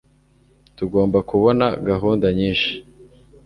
tugomba kubona gahunda nyinshi